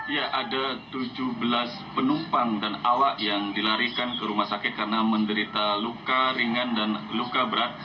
ya ada tujuh belas penumpang dan awak yang dilarikan ke rumah sakit karena menderita luka ringan dan luka berat